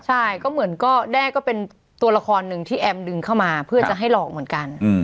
ใช่ก็เหมือนก็แด้ก็เป็นตัวละครหนึ่งที่แอมดึงเข้ามาเพื่อจะให้หลอกเหมือนกัน